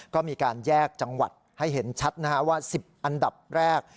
ก็มีการแยกจังหวัดให้เห็นชัดว่า๑๐อันดับแรก